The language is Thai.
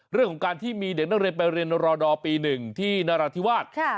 เรื่องของการที่มีเด็กนักเรียนไปเรียนรอดอปี๑ที่นราธิวาส